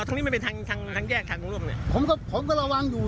ทางนี้มันเป็นทางทางแยกทางผมรู้หรือเปล่าผมก็ผมก็ระวังอยู่